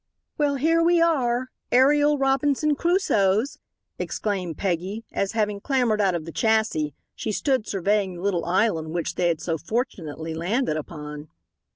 "Well, we are aerial Robinson Crusoes," exclaimed Peggy as, having clambered out of the chassis, she stood surveying the little island which they had so fortunately landed upon.